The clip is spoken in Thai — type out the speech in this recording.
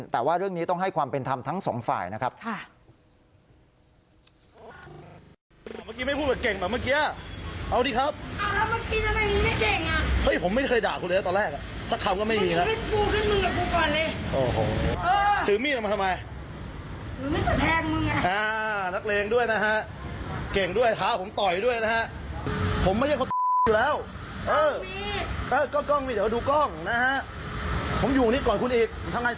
แต่ว่าเรื่องนี้ต้องให้ความเป็นธรรมทั้งสองฝ่ายนะครับ